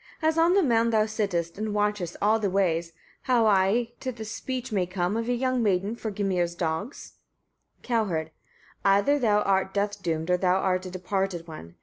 as on the mound thou sittest, and watchest all the ways, how I to the speech may come, of the young maiden, for Gymir's dogs? Cowherd. 12. Either thou art death doomed, or thou art a departed one.